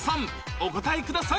お答えください